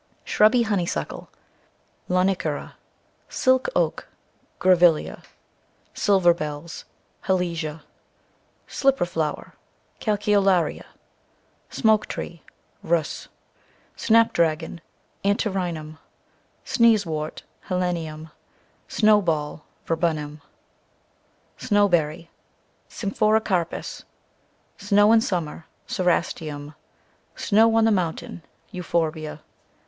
Shrubby Honeysuckle, cc Lonicera. Silk Oak, cc Grevillea. Silver Bells, cc Halesia. Slipper Flower, cc Calceolaria. Smoke Tree, cc Rhus. Snapdragon, cc Antirrhinum. Sneezewort, cc Helenium. Snowball, cc Viburnum. Snowberry, cc Symphoricarpus. i Snow in Summer, cc Cerastium. Snow on the Mountain, cc Euphorbia.